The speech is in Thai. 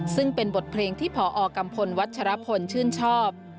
ซึ่งเป็นบทเพลงที่พอกัมพลวัชรพลชื่นชอบ